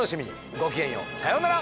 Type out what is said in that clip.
ごきげんようさようなら！